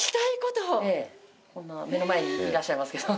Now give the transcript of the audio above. こんな目の前にいらっしゃいますけど。